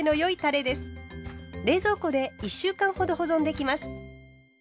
冷蔵庫で１週間ほど保存できます。